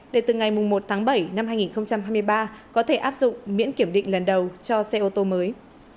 để từ ngày một tháng bảy năm hai nghìn hai mươi ba có thể áp dụng miễn kiểm định lần đầu cho xe ô tô mới